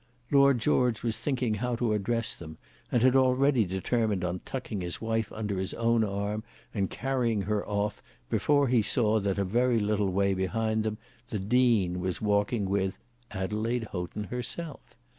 Lord George was thinking how to address them, and had already determined on tucking his wife under his own arm and carrying her off, before he saw that a very little way behind them the Dean was walking with Adelaide Houghton herself.